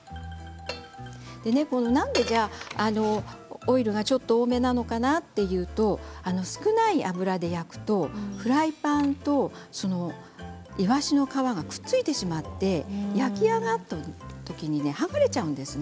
なんでオイルがちょっと多めなのかなというと少ない油で焼くとフライパンとイワシの皮がくっついてしまって焼き上がったときに剥がれちゃうんです。